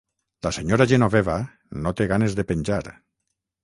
La senyora Genoveva no té ganes de penjar.